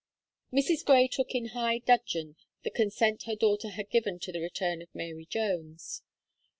Mrs. Gray took in high dudgeon the consent her daughter had given to the return of Mary Jones.